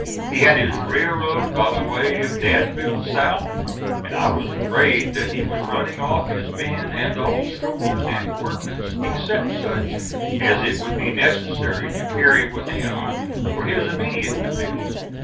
He had his railroad by the way of Danville south, and I was afraid that he was running off his men and all stores and ordnance except such as it would be necessary to carry with him for his immediate defence.